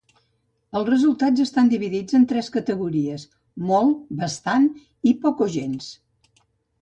Els resultats estan dividits en tres categories: molt, bastant i poc o gens.